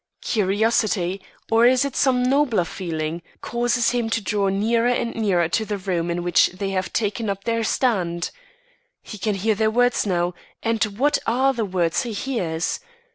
Curiosity or is it some nobler feeling causes him to draw nearer and nearer to the room in which they have taken up their stand. He can hear their words now and what are the words he hears?